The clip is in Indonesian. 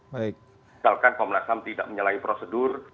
misalkan komnas ham tidak menyalahi prosedur